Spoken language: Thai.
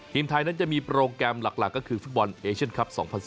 ทีมไทยนั้นจะมีโปรแกรมหลักก็คือฟุตบอลเอเชียนคลับ๒๐๑๙